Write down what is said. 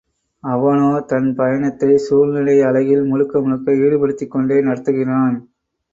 அவனோ தன் பயணத்தைச் சூழ்நிலை அழகில் முழுக்க முழுக்க ஈடுபடுத்திக் கொண்டே நடத்துகிறான்.